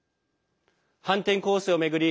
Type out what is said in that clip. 反転攻勢を巡り